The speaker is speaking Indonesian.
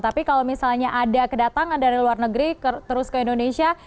tapi kalau misalnya ada kedatangan dari luar negeri terus ke indonesia